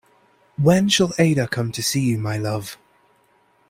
When shall Ada come to see you, my love?